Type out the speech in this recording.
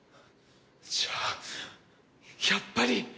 じゃあやっぱり！